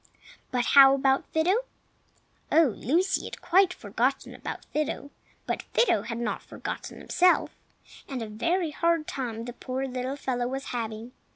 But how about Fido? Oh, Lucy had quite forgotten about Fido. But Fido had not forgotten himself, and a very hard time the poor little fellow was having.